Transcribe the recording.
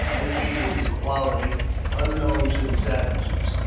Envy is a quaUty unknown to the savages.